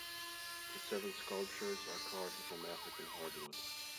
The seven sculptures are carved from African hardwood.